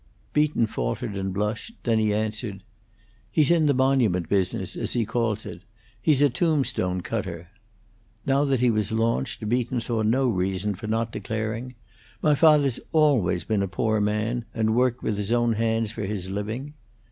Beaton faltered and blushed; then he answered: "He's in the monument business, as he calls it. He's a tombstone cutter." Now that he was launched, Beaton saw no reason for not declaring, "My father's always been a poor man, and worked with his own hands for his living."